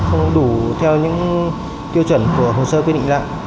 không đủ theo những tiêu chuẩn của hồ sơ quy định lại